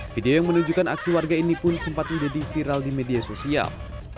video yang menunjukkan aksi warga ini pun sempat menjadi viral di media sosial